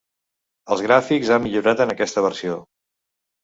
Els gràfics han millorat en aquesta versió.